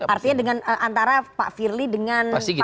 artinya dengan antara pak firly dengan pak sigit